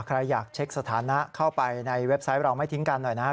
ใครอยากเช็คสถานะเข้าไปในเว็บไซต์เราไม่ทิ้งกันหน่อยนะครับ